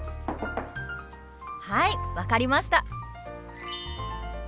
はい分かりました！